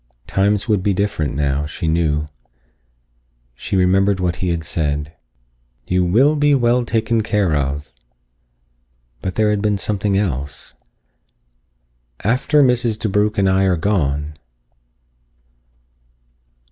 Times would be different now, she knew. She remembered what he had said. "You will be well taken care of." But there had been something else. "After _Mrs. DeBrugh+ and I are gone."